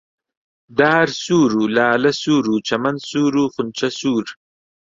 دار سوور و لالە سوور و چەمەن سوور و خونچە سوور